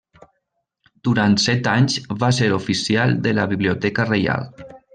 Durant set anys va ser oficial de la Biblioteca Reial.